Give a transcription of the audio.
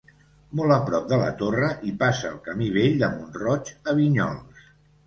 Molt a prop de la torre hi passa el camí vell de Mont-roig a Vinyols.